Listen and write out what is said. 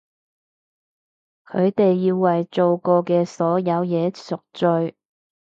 佢哋要為做過嘅所有嘢贖罪！